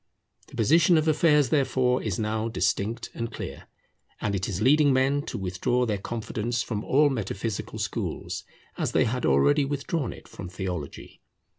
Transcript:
The position of affairs, therefore, is now distinct and clear; and it is leading men to withdraw their confidence from all metaphysical schools, as they had already withdrawn it from theology.